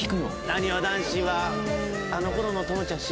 なにわ男子はあの頃の朋ちゃん